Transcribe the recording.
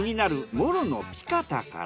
モロのピカタから。